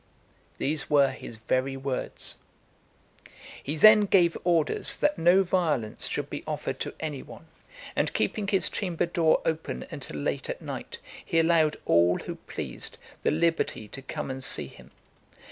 These were his very words. He then gave orders that no violence should be offered to any one; and keeping his chamber door open until late at night, he allowed all who pleased the liberty to come and see him.